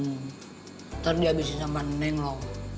ntar dihabisin sama neng lho